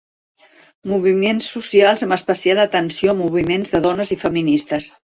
Moviments socials, amb especial atenció a moviments de dones i feministes.